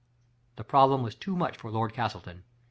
The problem was too much for Lord Castleton.